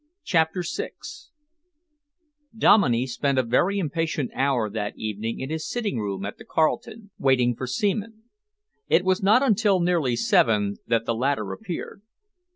CHAPTER VI Dominey spent a very impatient hour that evening in his sitting room at the Carlton, waiting for Seaman. It was not until nearly seven that the latter appeared.